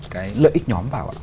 cái lợi ích nhóm vào ạ